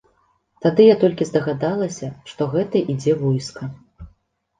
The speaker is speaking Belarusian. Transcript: Тады я толькі здагадалася, што гэта ідзе войска.